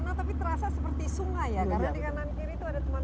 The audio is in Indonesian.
karena tapi terasa seperti sungai ya karena di kanan kiri itu ada teman